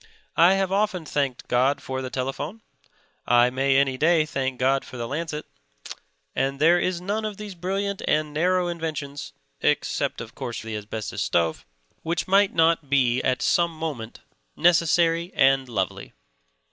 I have often thanked God for the telephone; I may any day thank God for the lancet; and there is none of these brilliant and narrow inventions (except, of course, the asbestos stove) which might not be at some moment necessary and lovely.